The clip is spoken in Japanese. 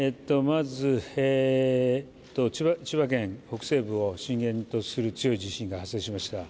千葉県北西部を震源とする強い地震が発生しました